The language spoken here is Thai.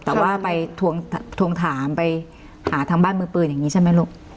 แต่ว่าไปทวงถามไปหาทางบ้านมือปืนอย่างนี้ใช่ไหมลูก